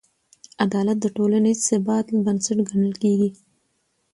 عدالت د ټولنیز ثبات بنسټ ګڼل کېږي.